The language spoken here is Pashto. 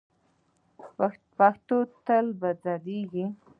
پښتو به تل ځلیږي.